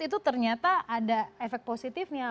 itu ternyata ada efek positifnya